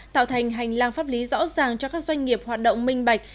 tạo thành hành lang pháp lý rõ ràng cho các doanh nghiệp hoạt động minh bạch